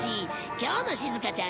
今日のしずかちゃん